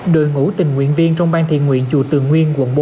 đội ngũ tình nguyện viên trong bang thiện nguyện chùa tường nguyên quận bốn